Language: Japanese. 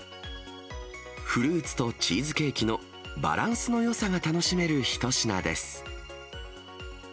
フルーツとチーズケーキのバランスのよさが楽しめる一品です。